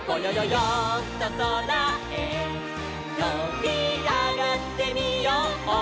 よんとそらへとびあがってみよう」